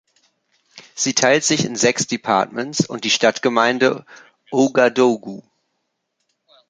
Sie teilt sich in sechs Departements und die Stadtgemeinde Ouagadougou.